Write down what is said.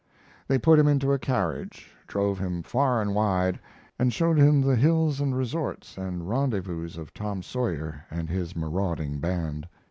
They put him into a carriage, drove him far and wide, and showed the hills and resorts and rendezvous of Tom Sawyer and his marauding band.